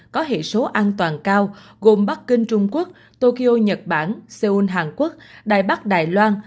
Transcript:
có hệ số an toàn cao gồm bắc kinh trung quốc tokyo nhật bản seoul hàn quốc đài bắc đài loan